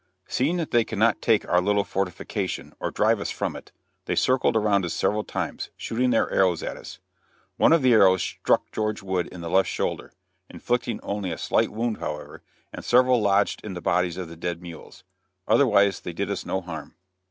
Seeing that they could not take our little fortification, or drive us from it, they circled around us several times, shooting their arrows at us. One of the arrows struck George Wood in the left shoulder, inflicting only a slight wound, however, and several lodged in the bodies of the dead mules; otherwise they did us no harm.